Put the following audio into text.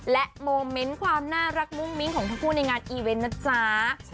โมเมนต์ความน่ารักมุ้งมิ้งของทั้งคู่ในงานอีเวนต์นะจ๊ะ